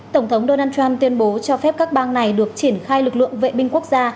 tổng thống donald trump tuyên bố cho phép các bang này được triển khai lực lượng vệ binh quốc gia